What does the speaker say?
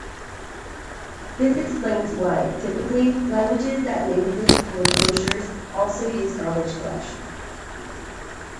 This explains why, typically, languages that natively support closures also use garbage collection.